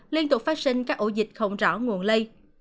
liên tục phát sinh các ổ dịch không rõ nguồn lây